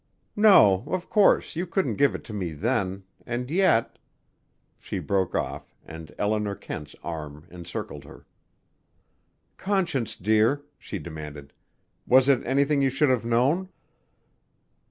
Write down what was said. "No, of course, you couldn't give it to me then, and yet " She broke off and Eleanor Kent's arms encircled her. "Conscience, dear," she demanded, "was it anything you should have known?"